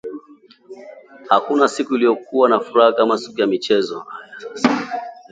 Hakuna siku iliyokuwa na furaha kama siku ya michezo